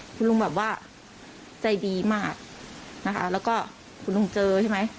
คุณลุงแบบว่าใจดีมากนะคะแล้วก็คุณลุงเจอใช่ไหม